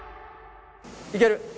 いける。